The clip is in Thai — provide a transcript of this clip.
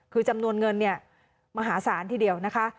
คือจำนวนเงินเนี่ยมหาศาลทีเดียวนะคะ